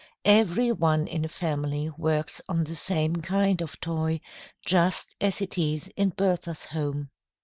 Every one in a family works on the same kind of toy, just as it is in Bertha's home.